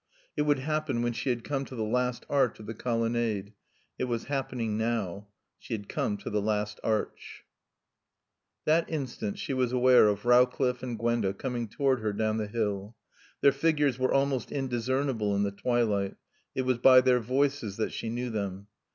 It would happen when she had come to the last arch of the colonnade. It was happening now. She had come to the last arch. That instant she was aware of Rowcliffe and Gwenda coming toward her down the hill. Their figures were almost indiscernible in the twilight. It was by their voices that she knew them.